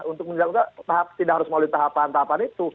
untuk menilai tahap tidak harus melalui tahapan tahapan itu